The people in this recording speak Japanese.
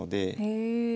へえ。